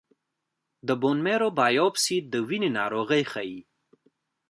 د بون میرو بایوپسي د وینې ناروغۍ ښيي.